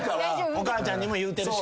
お母ちゃんにも言うてるし。